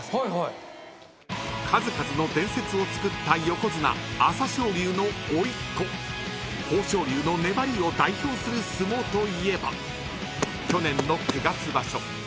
［数々の伝説をつくった横綱朝青龍のおいっ子豊昇龍の粘りを代表する相撲といえば去年の九月場所